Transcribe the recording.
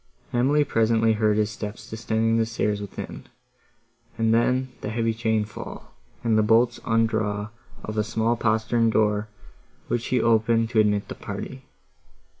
Emily presently heard his steps descending the stairs within, and then the heavy chain fall, and the bolts undraw of a small postern door, which he opened to admit the party.